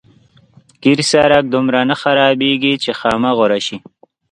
قیر سړک دومره نه خرابېږي چې خامه غوره شي.